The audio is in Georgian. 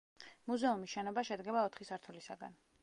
მუზეუმის შენობა შედგება ოთხი სართულისაგან.